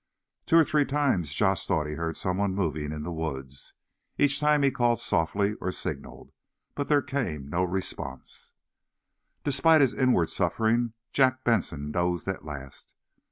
Two or three times Josh thought he heard someone moving in the woods. Each time he called softly, or signaled, but there came no response. Despite his inward suffering, Jack Benson dozed at last.